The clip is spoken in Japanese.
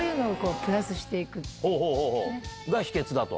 秘訣だと？